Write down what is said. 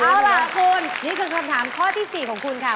เอาล่ะคุณนี่คือคำถามข้อที่๔ของคุณค่ะ